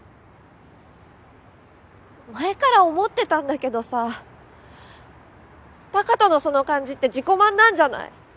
前から思ってたんだけどさタカトのその感じって自己満なんじゃない？